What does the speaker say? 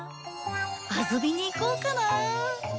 遊びに行こうかな